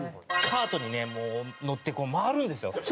カートにね乗って回るんですよ。